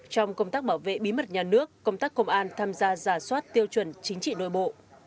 trong công tác bảo vệ bí mật nhà nước công tác công an tham gia giả soát tiêu chuẩn chính trị nội bộ